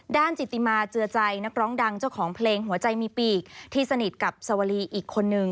จิติมาเจือใจนักร้องดังเจ้าของเพลงหัวใจมีปีกที่สนิทกับสวรีอีกคนนึง